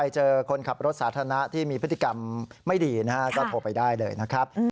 เจอคนขับรถสาธารณะที่มีพฤติกรรมไม่ดีนะฮะก็โทรไปได้เลยนะครับ